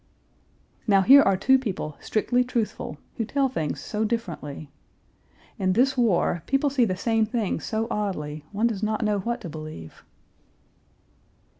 Now here are two people strictly truthful, who tell things so differently. In this war people see the same things so oddly one does not know what to believe.